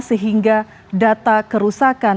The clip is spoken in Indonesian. sehingga data kerusakan